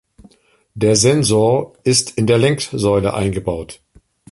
Der Sensor ist in der Lenksäule eingebaut.